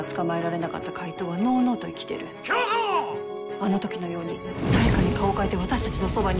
あの時のように誰かに顔を変えて私たちのそばに。